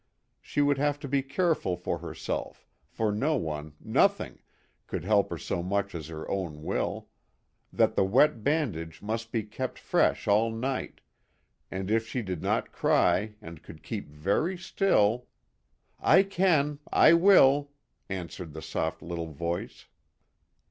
She would have to be careful for herself, for no one, nothing, could help her so much as her own will ; that the wet bandage must be kept fresh all night, and if she did not cry, and could keep very still " I can, I will," answered the soft little voice.